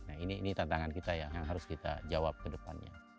nah ini tantangan kita yang harus kita jawab ke depannya